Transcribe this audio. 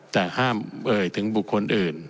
แต่ห้ามเอ่ยถึงบุคคลอื่น